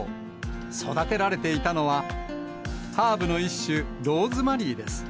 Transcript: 育てられていたのは、ハーブの一種、ローズマリーです。